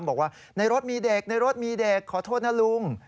บอกว่าในรถมีเด็กในรถมีเด็กขอโทษนะลุง